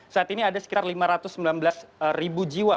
saat ini ada sekitar lima ratus sembilan belas ribu jiwa